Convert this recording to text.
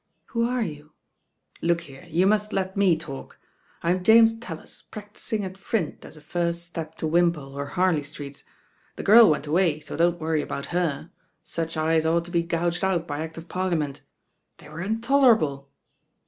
"Who are you?" "Look here, you must let me talk. I'm Jamet raUif, practising at Print as a first step to Wimpole or Harlcy Streets. The girl went away, so don't worry about her. Such eyes ought to be gouged out ^ Act of Parliament They were intolerable.